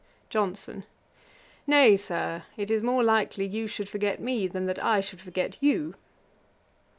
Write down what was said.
JOHNSON. 'Nay, Sir, it is more likely you should forget me, than that I should forget you.'